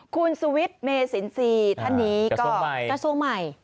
คุณสุวิทย์เมสินทรีย์ท่านนี้ก็กระทรวงใหม่